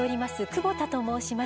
久保田と申します。